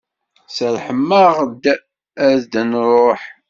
Serrḥen-aɣ-d ad d-nruḥ.